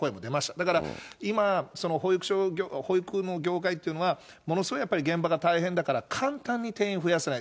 だから、今、保育の業界っていうのは、ものすごいやっぱり現場が大変だから、簡単に定員増やせない。